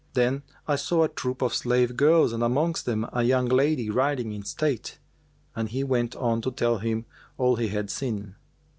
Then I saw a troop of slave girls and amongst them a young lady riding in state:" and he went on to tell him all he had seen.